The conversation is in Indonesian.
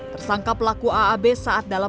tersangka pelaku aab saat dalam